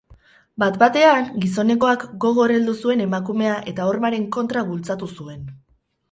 Bat-batean, gizonezkoak gogor heldu zuen emakumea eta hormaren kontra bultzatu zuen.